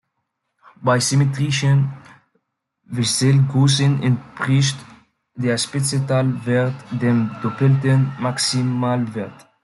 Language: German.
Bei symmetrischen Wechselgrößen entspricht der Spitze-Tal-Wert dem doppelten Maximalwert.